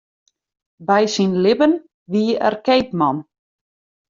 By syn libben wie er keapman.